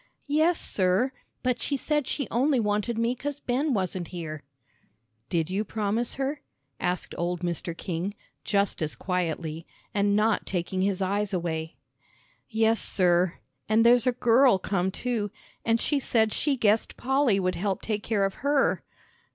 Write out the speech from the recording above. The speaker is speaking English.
"Yes, sir. But she said she only wanted me 'cause Ben wasn't here." "Did you promise her?" asked old Mr. King, just as quietly, and not taking his eyes away. "Yes, sir; and there's a girl come too. And she said she guessed Polly would help take care of her."